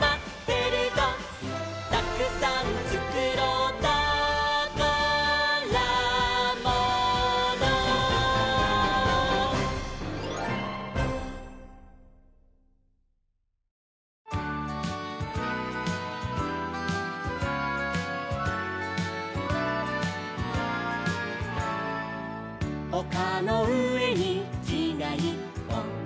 「たくさんつくろうたからもの」「おかのうえにきがいっぽん」